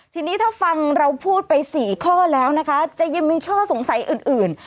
ทีนี้ถ้าฟังเราพูดไป๔ข้อแล้วนะคะจะยังมีข้อสงสัยอื่น